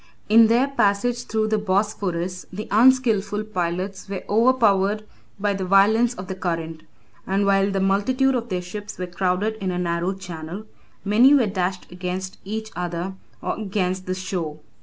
In their passage through the Bosphorus, the unskilful pilots were overpowered by the violence of the current; and while the multitude of their ships were crowded in a narrow channel, many were dashed against each other, or against the shore.